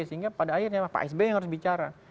sehingga pada akhirnya pak sby yang harus bicara